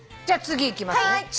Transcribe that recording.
じゃ次いきますね。